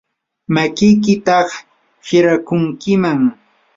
makiykitataq hirakunkiman.